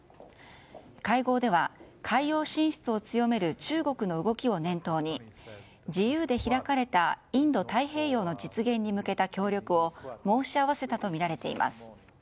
会合では海洋進出を強める中国の動きを念頭に自由で開かれたインド太平洋の実現に向けた協力を申し合わせたとみられています。